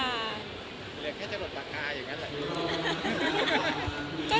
เหลือแค่จะหลดราคาอย่างนั้นแหละ